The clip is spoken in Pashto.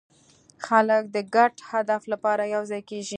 خلک د ګډ هدف لپاره یوځای کېږي.